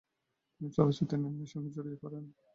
তিনি চলচ্চিত্র নির্মাণের সঙ্গে জড়িয়ে পড়েন।